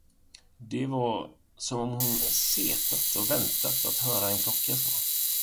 Det var, som om hon setat och väntat att höra en klocka slå.